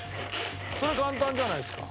それ簡単じゃないですか。